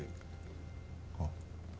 あっ。